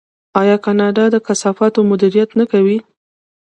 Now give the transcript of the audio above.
آیا کاناډا د کثافاتو مدیریت نه کوي؟